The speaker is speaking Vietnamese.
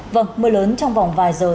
vâng mưa lớn trong vòng vài giờ